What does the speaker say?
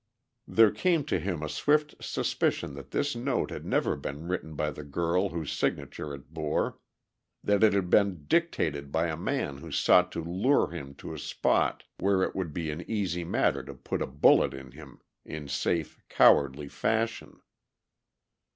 There came to him a swift suspicion that this note had never been written by the girl whose signature it bore, that it had been dictated by a man who sought to lure him to a spot where it would be an easy matter to put a bullet in him in safe, cowardly fashion.